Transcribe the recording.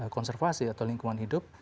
konservasi atau lingkungan hidup